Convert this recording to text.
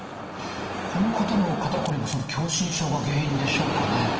この方の肩こりもその狭心症が原因でしょうかね？